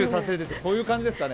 こういう感じですかね。